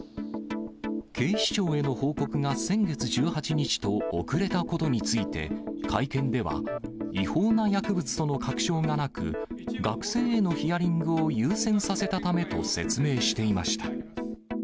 警視庁への報告が先月１８日と、遅れたことについて、会見では、違法な薬物との確証がなく、学生へのヒアリングを優先させたためと説明していました。